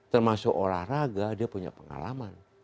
termasuk olahraga dia punya pengalaman